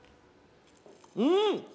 うん！